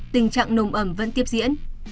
tình trạng nồng ẩm vẫn tiếp diễn